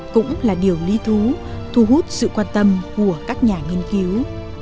cũng là điều lý thú thu hút sự quan tâm của các nhà nghiên cứu